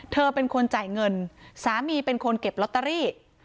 เธอเป็นคนจ่ายเงินสามีเป็นคนเก็บลอตเตอรี่